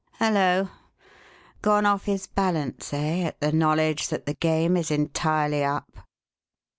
Hullo! Gone off his balance, eh, at the knowledge that the game is entirely up?"